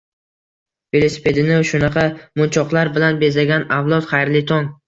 Velosipedini shunaqa "munchoqlar" bilan bezagan avlod, xayrli tong!